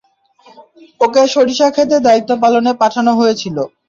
ওকে সরিষা ক্ষেতে দায়িত্ব পালনে পাঠানো হয়েছিল।